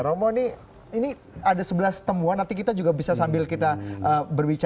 romo ini ada sebelas temuan nanti kita juga bisa sambil kita berbicara